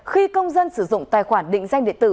khi công dân sử dụng tài khoản định danh điện tử